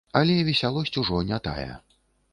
Але весялосць ўжо не тая.